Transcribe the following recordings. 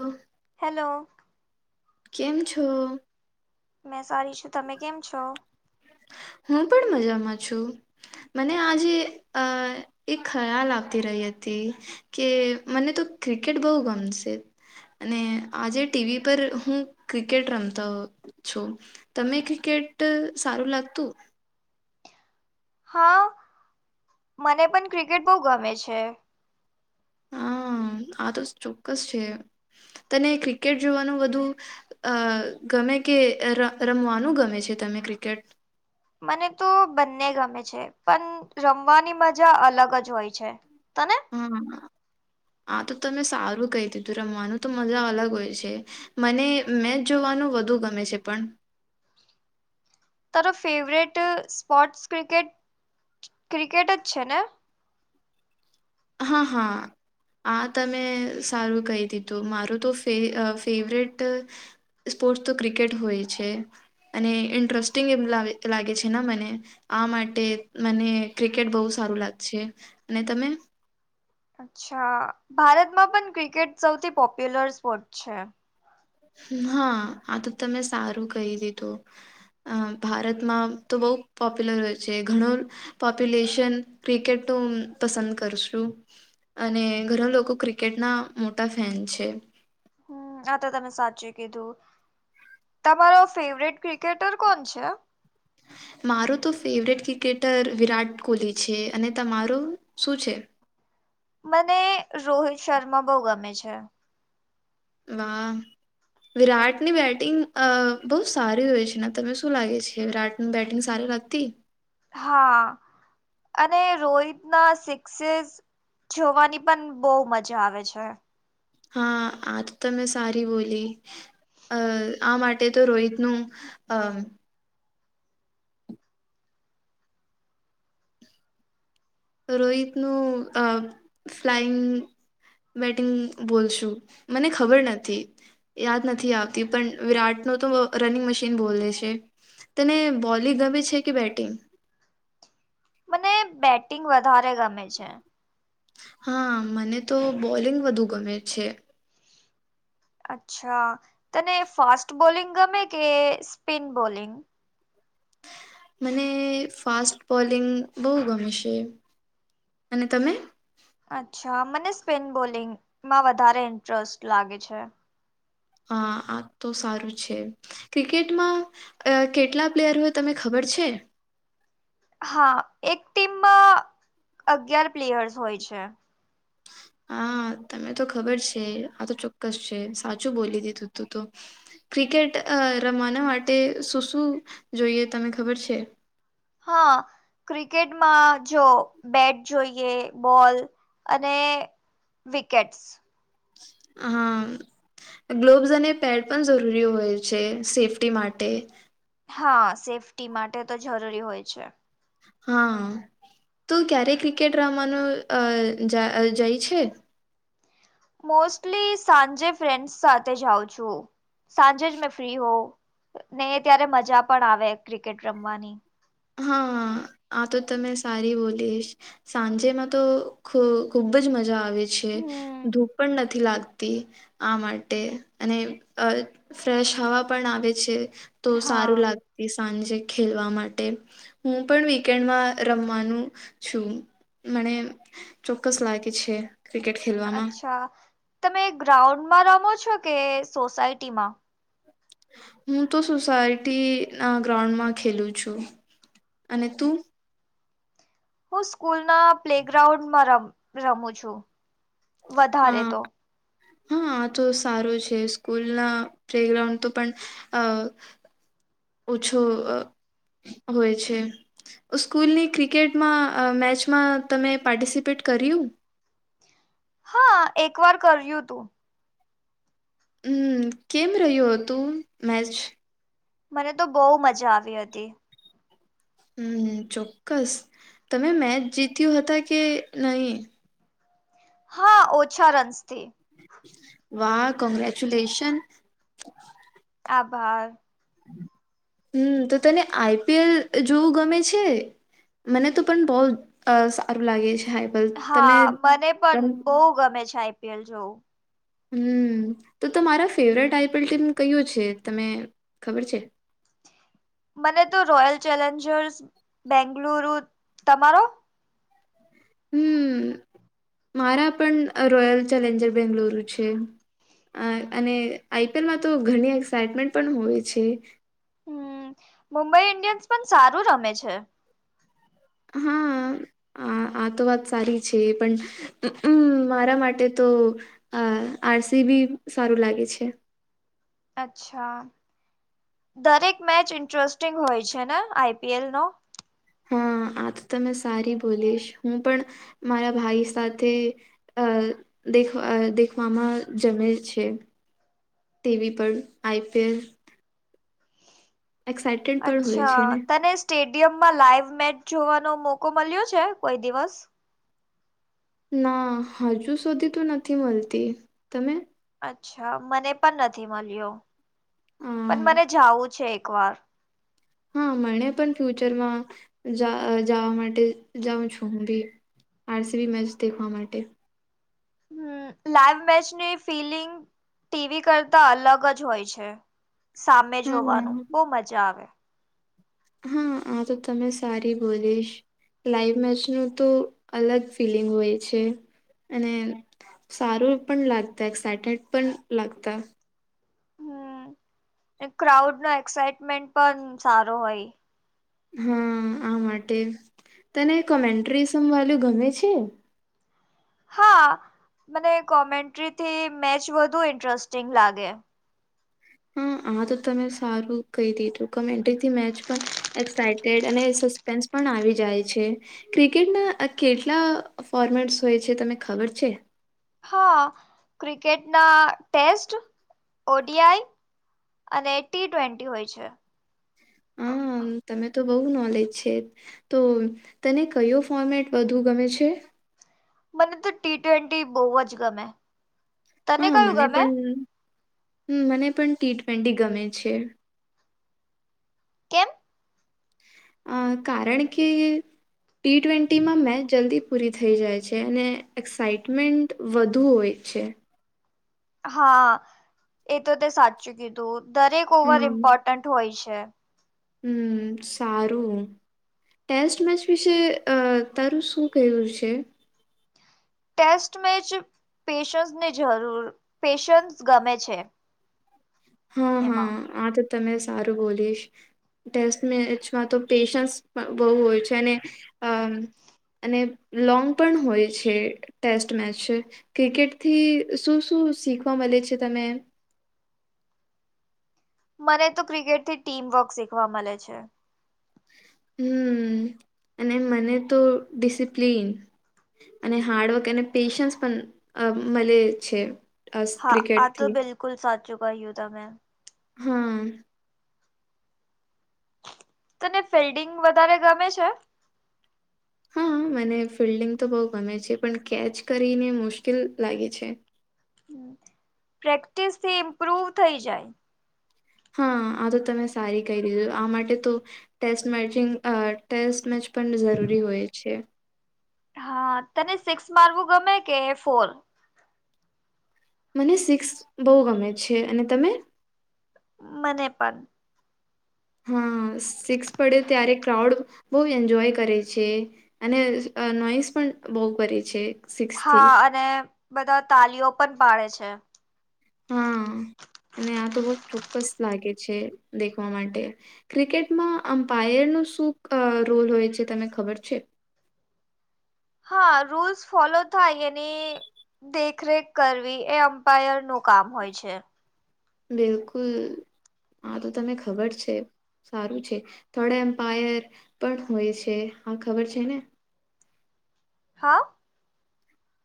ઓ [unintelligible] hello કેમ છો? મેં સારી છું તમે કેમ છો? હું પણ મજામાં છું. મને આજે અ એક ખ્યાલ આવતી રહી હતી કે મને તો ક્રિકેટ બહુ ગમશે. અને આજે ટીવી પર હું ક્રિકેટ રમતો છું. તમે ક્રિકેટ સારું લાગતું? હા મને પણ ક્રિકેટ બહુ ગમે છે. હમ આ તો ચોક્કસ છે તને ક્રિકેટ જોવાનું વધુ - અ ગમે કે રમવાનું ગમે છે તમે ક્રિકેટ મને તો બંને ગમે છે. પણ રમવાની મજા અલગ જ હોય છે તને. હા આ તો તમે સારું કઈ દીધું રમવાનું તો મજા અલગ હોય છે મને મેચ જોવાનું વધુ ગમે છે પણ તારો ફેવરેટ સ્પોર્ટસ ક્રિકેટ ક્રિકેટ જ છે ને? હા હા. આ તમે સારું કહી દીધું મારું તો ફેવરેટ સ્પોર્ટ્સ તો ક્રિકેટ હોય છે. અને ઇન્ટરેસ્ટિંગ એવુ લાગે છે ને મને આ માટે મને ક્રિકેટ બહુ સારું લાગે છે અને તમે. અચ્છા ભારતમાં પણ ક્રિકેટ સૌથી પોપ્યુલર સ્પોર્ટ છે. હા આ તો તમે સારું કહી દીધું. અ ભારતમાં તો બહુ પોપ્યુલર હોય છે ઘણો પોપ્યુલેશન ક્રિકેટ તો પસંદ કરશું. અને ગણા લોકો ક્રિકેટના મોટા ફેન છે. હ આ તો તમે સાચું કીધું તમારો ફેવરેટ ક્રિકેટર કોણ છે? મારો તો ફેવરેટ ક્રિકેટર વિરાટ કોહલી છે અને તમારું શું છે? મને રોહિત શર્મા બહુ ગમે છે. વાહ. વિરાટની બેટિંગ અ બહુ સારી હોય છે ને તને શું લાગે છે વિરાટ. બેટિંગ સારી લાગતી. હા અને રોહિત ના સિક્સસિસ- જોવાની પણ બહુ મજા આવે છે. હા આજ તો મેં સારી બોલી. અ આ માટે તો રોહિતનું અ રોહિત નું અ ફ્લાઈંગ બેટિંગ બોલશું મને ખબર નથી. યાદ નથી આવતી પણ વિરાટ ન તો રનિંગ મશીન બોલે છે. તને બોલીગ ગમે છે કે બેટિંગ‌? મને બેટિંગ વધારે ગમે છે. હા મને તો બોલિંગ વધુ ગમે છે. અચ્છા, તને ફાસ્ટ બોલિંગ ગમે કે સ્પિન બોલિંગ મને ફાસ્ટ બોલિંગ બહુ ગમે છે અને તમે? અચ્છા મને સ્પિન બોલિંગમાં વધારે ઇન્ટરેસ્ટ લાગે છે. હા આ તો સારું છે. ક્રિકેટમાં અહ કેટલા પ્લેયરો હોય તમે ખબર છે? હા એક ટીમમાં અગિયાર પ્લેયર્સ હોય છે. હા તમેને તો ખબર છે આ તો ચોક્કસ છે સાચું બોલી દીધું તું તો. ક્રિકેટ હા રમાના માટે શું શું જોઈએ તમે ખબર છે? હા ક્રિકેટમાં જો બેટ જોઈએ બોલ અને વિકેટસ હા હમ્મ. ગ્લોવ્સ અને પેડ પણ જરૂરી હોય છે સેફ્ટી માટે હા સેફ્ટી માટે તો જરૂરી હોય છે. હા તું ક્યારે ક્રિકેટ રમનું અહ જા અહ જઈ છે. મોસ્ટલી સાંજે ફ્રેન્ડસ સાથે જાઉ છું સાંજે જ મેં ફ્રી હો. નહી ત્યારે મજા પણ આવે ક્રિકેટ રમવાની. હા આ તો તમે સારી બોલીશ. સાંજેમાં તો ખુ-ખુબજ મજા આવે છે. હમ ધૂપ પણ નથી લાગતી આ માટે અને અહ ફ્રેશ હવા પણ આવે છે તો સારું હા લાગતી સાંજે ખેલવા માટે. હું પણ વીકેન્ડમાં રમવાનું છું મણે ચોક્કસ લાગે છે. ક્રિકટ ખેલ અચ્છા તમે ગ્રાઉન્ડમાં રમો છો કે સોસાયટી માં? હું તો સોસાયટી ના ગ્રાઉન્ડમાં ખેલું છું અને તું? હું સ્કૂલ ના પ્લે ગ્રાઉન્ડમાં રમ રમું છું અ વધારે તો. હા આ તો સારો છે સ્કૂલ ના પ્લેગ્રાઉન્ડ તો પણ અહ ઓછો અહ હોય છે. સ્કૂલની ક્રિકેટમાં અહ મેચમાં તમે પાર્ટિસિપેટ કર્યું. હા એક વાર કર્યું તું. હમ્મ કેમ રહ્યો હતું મેચ? મને તો બહુ મજા આવી હતી. હમ્મ ચોક્કસ તમે મેચ જીત્યું હતા કે નહી? હા ઓછા રન્સ થી. વાહ કોંગ્રેચુલેશન. આભાર. હમ્મ તો તને આઈ પી એલ જોવું ગમે છે? મને તો પણ બોહ અહ સારું લાગે છે હ. હા મને પણ બહુ ગમે છે આઈ પી એલ જોવું. હમ્મ તો તમારો favourite I P L team કયું છે, તમે ખબર છે? મને તો રોયલ ચેલેન્જર્સ બેંગલુરુ તમારો? હમ્મ, મારા પણ રોયલ ચેલેન્જર બેંગલુરુ છે. અહ અને આઈ પી એલ માં તો ઘણી એક્સાઈટમેન્ટ પણ હોવે છે. હમ મુંબઈ ઇન્ડિયન્સ પણ સારું રમે છે. હા, આ આ તો વાત સારી છે પણ હમ્મ અમ્મ, મારા માટે તો અહ આર સી બી સારું લાગે છે. અચ્છા દરેક મેચ ઇન્ટરેસ્ટિંગ હોય છે ને આઈપીએલ નો. હા આ તો તમે સારી બોલીશ હું પણ મારા ભાઈ સાથે. આ દેખ દેખવામાં જાયે છે. તેવી પણ આઈપીએલ. એક્સટ. અચ્છા તને સ્ટેડિયમમાં લાઈવ મેચ જોવાનો મોકો મળ્યો છે કોઈ દિવસ. ના હજુ સુધી તો નથી મળતી તમે. અચ્છા મને પણ નથી મળ્યો અમ, પણ મને જવું છે એક વાર. હા મને પણ ફ્યુચરમાં જવા માટે જાઉં છું હું ભી. આરસીબી મેચ દેખવા માટે. હમ લાઈવ મેચની ફિલિંગ. ટીવી કરતા અલગ જ હોય છે સામે જોવાનું હા બહુ મજા આવે. આ તમે સારી બોલીશ. લાઈવ મેચ ન તો અલગ ફિલિંગ હોય છે અને. સારું પણ લાગતા એસેટેડ પણ લાગતા હમ ક્રાઉડ નો એક્સાઈટમેન્ટ પણ સારો હોય હા આ માટે તને કોમેન્ટ્રી શું વાનું ગમે છે? હા મને કોમેન્ટ્રીથી મેચ વધુ ઇન્ટરેસ્ટિંગ લાગે હા આ તો તમે સારું કહી દીધું કોમેન્ટ્રી થી મેચ પણ એક્સાઈટેડ અને સસ્પેન્સ પણ આવી જાય છે. ક્રિકેટના કેટલા ફોર્મેટ્સ હોય છે તને ખબર છે. હા ક્રિકેટના ટેસ્ટ ઓડીઆઈ અને ટી ટ્વેન્ટી હોય છે. હમ તમે તો બહુ નોલેજ છે. તો તને કયો ફોર્મેટ બધુ ગમે છે? મને તો ટી ટ્વેન્ટી બહુ જ ગમે. તને હા કયું મને ગમે પણ હમ પણ ટી ટ્વેન્ટી ગમે. કેમ? અ કારણ કે ટી ટ્વેન્ટીમાં મેચ જલ્દી પૂરી થઈ જાય છે અને એક્સઇટમેન્ટ વધુ હોય છે. હા એ તો તે સાચું કીધું દરેક ઓવર હા ઇમ્પોર્ટન્ટ હોય છે. હમ સારું ટેસ્ટ મેચ વિશે અ તારું શું કેવુ છે. ટેસ્ટ મે જ પેશન્સની જરૂર પેશન્સ ગમે છે. હા એમાં આ તો તમે બોલીશ. ટેસ્ટ મેચમાં તો પેશન્સ બહુ હોય છે અને અ અને લોંગ પણ હોય છે ટેસ્ટ મેચ. ક્રિકેટ થી શું શું શીખવા મળે છે તમે મને તો ક્રિકેટથી ટીમવર્ક શીખવા મળે છે. હમ અને મને તો ડિસિપ્લીન. અને હાર્ડવર્ક અને પેશન્સ પણ મળે છે. અસ હા આ તો ક્રિકેટથી બિલકુલ સાચું કયું તમેં. હમ તને ફિલ્ડિંગ વધારે ગમે છે? હા મને ફિલ્ડિંગ તો બહુ ગમે છે પણ કેચ કરીને મુશ્કેલ લાગે છે. પ્રેક્ટિસથી ઇમ્પ્રુવ થઇ જાય, હા આ તો તમે સારી કહી દીધું આ માટે તો ટેસ્ટ મેચિંગ ટેસ્ટ મેચ પણ જરૂરી હોય છે. હા તને સિક્સ મારવું ગમે કે ફોર, મને સિક્સ બહુ ગમે છે અને તમે, મને પણ હા સિક્સ પડે ત્યારે ક્રાઉડ બહુ એન્જોય કરે છે. અને નોઈસ પણ બહુ કરે છે. સિક્સથી હા અને બધા તાલીઓ પણ પાડે છે. હા અને આ તો બહુ ચોક્કસ લાગે છે દેખવા માટે ક્રિકેટમાં અમ્પાયરનો શું રોલ હોય છે તને ખબર છે. હા રૂલ્સ ફોલો થાય એની દેખરેખ કરવી એ અમ્પાયરનું કામ હોય છે. બિલકુલ આ તો તને ખબર છે. સારું છે થોડા એમ્પાયર પણ હોય છે હા ખબર છે ને હા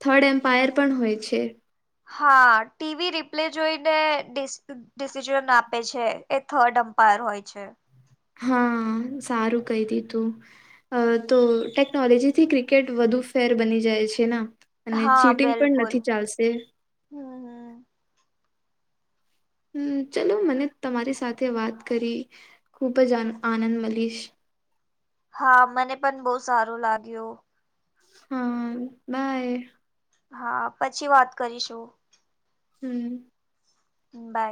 થર્ડ એમ્પાયર પણ હોય છે. હા ટીવી રિપ્લે જોઈદે ડિસિઝન આપે છે એ થર્ડ અમ્પાયર હોય છે. હા સારું કહી દીધું, ટેકનોલોજીથી ક્રિકેટ વધુ ફેર બની જાય છે ના, અને હા ચીટિંગ પણ બિલકુલ નથી ચાલશે, હમ હમ હમ ચલો મને તમારી સાથે વાત કરી ખુબ જ આનંદ મળીશ, હા મને પણ બહુ સારું લાગ્યું. હા બાય, હા પછી વાત કરીશું, હમ બાય